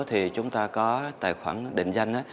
thì chúng ta có tài khoản định danh